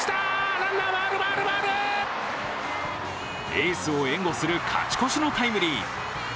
エースを援護する勝ち越しのタイムリー。